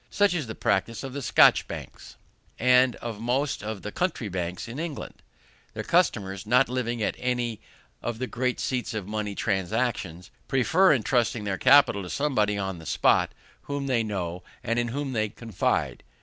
Such is the practice of the Scotch banks, and of most of the country banks in England. Their customers, not living at any of the great seats of money transactions, prefer entrusting their capital to somebody on the spot, whom they know, and in whom they confide.